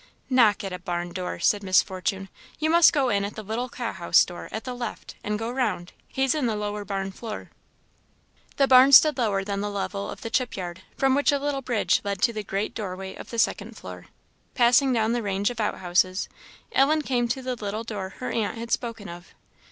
"Knock at a barn door!" said Miss Fortune. "You must go in at the little cow house door, at the left, and go round. He's in the lower barn floor." The barn stood lower than the level of the chip yard, from which a little bridge led to the great doorway of the second floor. Passing down the range of outhouses, Ellen came to the little door her aunt had spoken of.